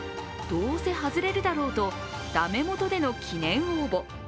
どうせ外れるだろうとだめもとでの記念応募。